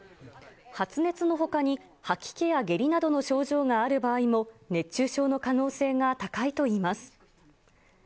発熱のほかに、吐き気や下痢などの症状がある場合も、熱中症の可能性が高いといいます。